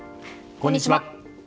こんにちは。